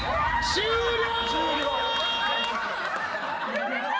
終了。